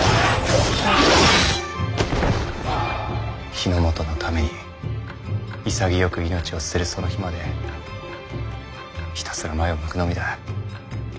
日の本のために潔く命を捨てるその日までひたすら前を向くのみだ。